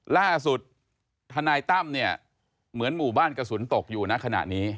ล่าสุดธนายตั้มเนี่ยเหมือนหมู่บ้านกระสุนตกอยู่นะขณะนี้